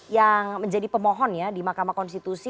yang menjadi pemohon ya di mahkamah konstitusi